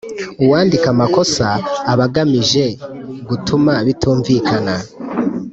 uwandika amakosa aba agamije gutuma bitumvikana